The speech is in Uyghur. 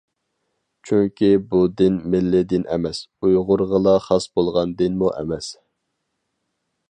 چۈنكى بۇ دىن مىللىي دىن ئەمەس، ئۇيغۇرغىلا خاس بولغان دىنمۇ ئەمەس.